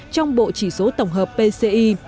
trong bộ chỉ số tổng hợp pci